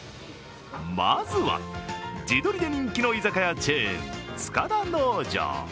まずは地鶏で人気の居酒屋チェーン、塚田農場。